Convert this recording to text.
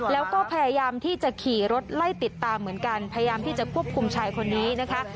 แล้วก็พยายามที่จะขี่รถไล่ติดตามเหมือนกันพยายามที่จะควบคุมชายคนนี้นะคะ